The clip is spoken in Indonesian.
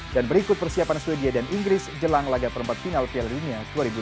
dan berikut persiapan sweden dan inggris jelang laga perempat final piala dunia dua ribu delapan belas